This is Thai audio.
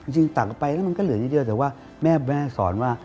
ตักไปแล้วมันก็เหลือเยอะแต่ว่าแม่สอนว่า